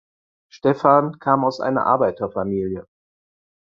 Stephan kam aus einer Arbeiterfamilie.